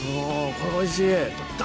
これおいしい。